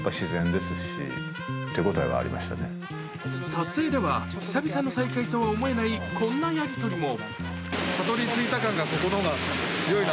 撮影では久々の再会とは思えないこんなやり取りも。